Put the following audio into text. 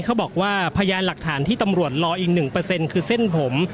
เขาบอกว่าพยายามหลักฐานที่ตำรวจรออีกหนึ่งเปอร์เซ็นต์คือเส้นผม